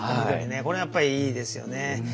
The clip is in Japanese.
これやっぱりいいですよね。